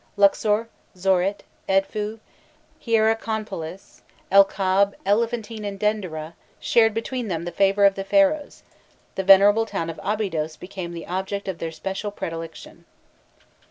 Luxor, Zorit, Edfu, Hierakonpolis, El Kab, Elephantine, and Dendera,* shared between them the favour of the Pharaohs; the venerable town of Abydos became the object of their special predilection.